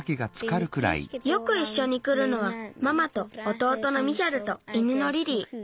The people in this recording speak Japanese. よくいっしょにくるのはママとおとうとのミヒャルと犬のリリー。